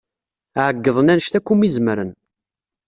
Ɛeyyḍen anect akk umi zemren.